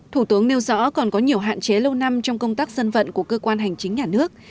thủ tướng nêu rõ còn có nhiều hạn chế lâu năm trong công tác dân vận của cơ quan hành chính nhà nước